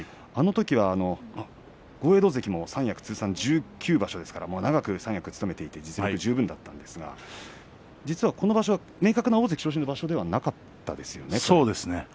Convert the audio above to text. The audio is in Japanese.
あのときは豪栄道関も三役通算１９場所ですから長く三役を務めて実力十分だったんですがこの場所は明確な大関昇進の場所ではなかったですね。